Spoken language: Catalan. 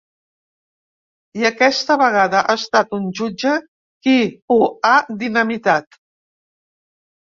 I aquesta vegada ha estat un jutge qui ho ha dinamitat.